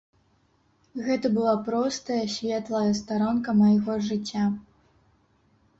Гэта была простая светлая старонка майго жыцця.